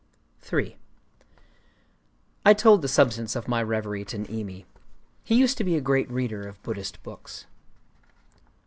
III I told the substance of my revery to Niimi. He used to be a great reader of Buddhist books.